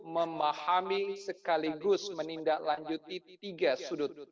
memahami sekaligus menindaklanjuti tiga sudut